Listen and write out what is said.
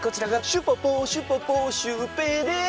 シュポポシュポポシュウペイです！